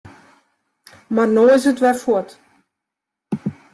Mar no is it wer fuort.